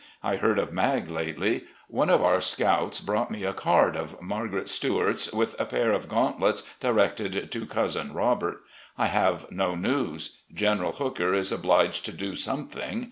I heard of Mag lately. One of our scouts brought me a card of Margaret Stuart's with a pair of gauntlets directed to 'Cousin Robert.' ... I have no news. General Hooker is obliged to do something.